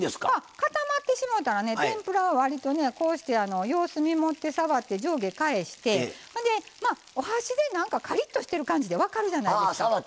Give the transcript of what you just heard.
固まってしもたら天ぷらはこうして、様子見して上下を返してお箸で、なんかかりっとしてる感じで分かるじゃないですか。